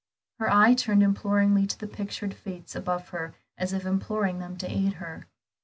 Her eye turned imploringly to the pictured Fates above her as if imploring them to aid her.